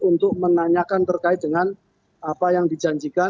untuk menanyakan terkait dengan apa yang dijanjikan